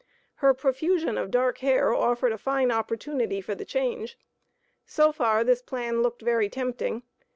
Her profusion of dark hair offered a fine opportunity for the change. So far this plan looked very tempting.